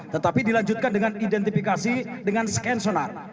tetapi dilanjutkan dengan identifikasi dengan scan sonar